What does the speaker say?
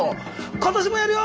「今年もやるよ！